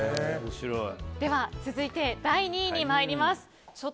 では、続いて第２位に参ります。